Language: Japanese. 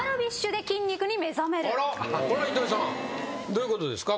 これは糸井さんどういうことですか？